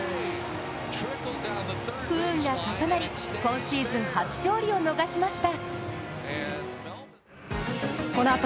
不運が重なり、今シーズン初勝利を逃しました。